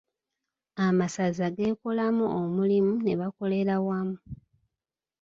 Amasaza geekolamu omulimu ne bakolera wamu.